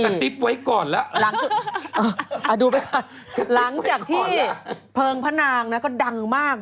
กระติ๊บไว้ก่อนล่ะเอาดูไปก่อนหลังจากที่เพิงพ่อนางน่ะก็ดังมาก